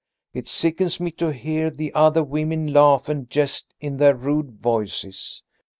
It sickens me to hear the other women laugh and jest in their rude voices.